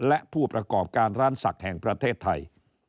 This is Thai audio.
และผู้ประกอบการร้านศักดิ์แห่งประเทศไทย